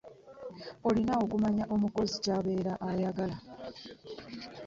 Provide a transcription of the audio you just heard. Olina okumanya omukozi kyabeera ayagala.